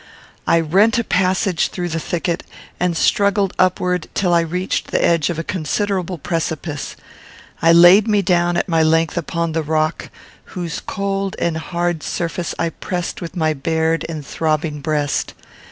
I rent a passage through the thicket, and struggled upward till I reached the edge of a considerable precipice; I laid me down at my length upon the rock, whose cold and hard surface I pressed with my bared and throbbing breast.